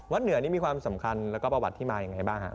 วัดเหนือนี่มีความสำคัญแล้วก็ประวัติที่มาอย่างไรบ้าง